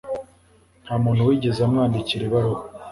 Nta muntu wigeze amwandikira ibaruwa.